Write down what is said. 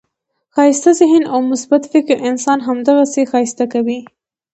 ښایسته ذهن او مثبت فکر انسان همداسي ښایسته کوي.